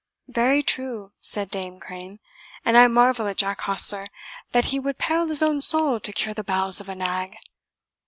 "Very true," said Dame Crane; "and I marvel at Jack Hostler that he would peril his own soul to cure the bowels of a nag."